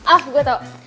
ah gue tau